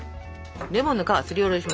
レモンの皮をすりおろしました。